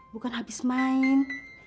bukan habis main